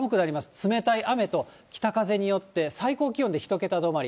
冷たい雨と北風によって、最高気温で１桁止まり。